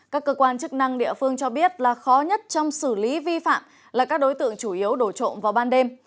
các cơ quan chức năng địa phương cho biết là khó nhất trong xử lý vi phạm là các đối tượng chủ yếu đổ trộm vào ban đêm